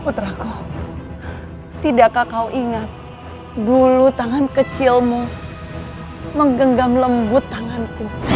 putraku tidakkah kau ingat dulu tangan kecilmu menggenggam lembut tanganku